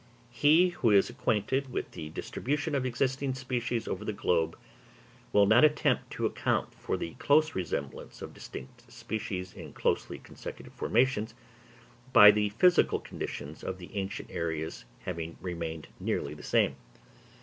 He who is acquainted with the distribution of existing species over the globe, will not attempt to account for the close resemblance of distinct species in closely consecutive formations, by the physical conditions of the ancient areas having remained nearly the same.